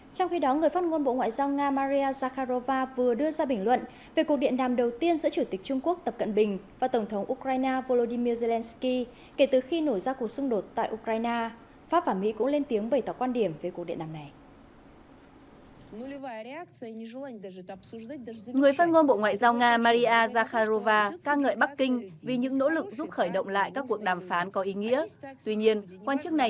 trong khi đó người phát ngôn bộ ngoại giao nga maria zakharova vừa đưa ra bình luận về cuộc điện đàm đầu tiên giữa chủ tịch trung quốc tập cận bình và tổng thống ukraine volodymyr zelensky kể từ khi nổi ra cuộc xung đột tại ukraine pháp và mỹ cũng lên tiếng bày tỏ quan điểm về cuộc điện đàm này